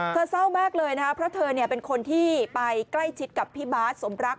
เศร้ามากเลยนะครับเพราะเธอเป็นคนที่ไปใกล้ชิดกับพี่บาทสมรัก